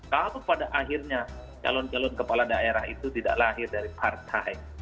kalau pada akhirnya calon calon kepala daerah itu tidak lahir dari partai